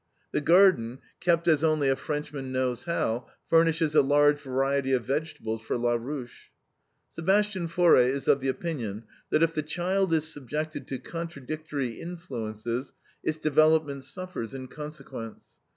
The garden, kept as only a Frenchman knows how, furnishes a large variety of vegetables for LA RUCHE. Sebastian Faure is of the opinion that if the child is subjected to contradictory influences, its development suffers in consequence.